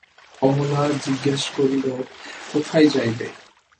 কমলা জিজ্ঞাসা করিল, কোথায় যাইবে?